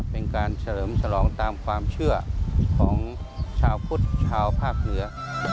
เป็นการเฉลิมฉลองตามความเชื่อของชาวพุทธชาวภาคเหนือ